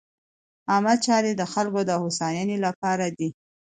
عامه چارې د خلکو د هوساینې لپاره دي.